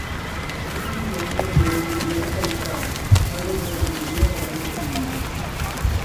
Ese mismo año jugó su primer All-Star, algo que repetiría al año siguiente.